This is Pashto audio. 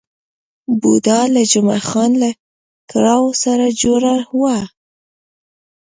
بوډا جمعه خان له کراول سره جوړه وه.